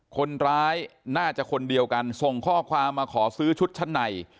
คนร้ายน่าจะคนเดียวกันส่งข้อความมาขอซื้อชุดชั้นใน